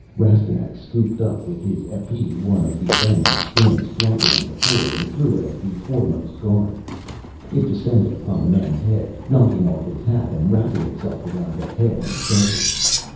Rastignac scooped up with his épée one of the abandoned Skins flopping on the floor and threw it at the foremost guard. It descended upon the man's head, knocking off his hat and wrapping itself around the head and shoulders.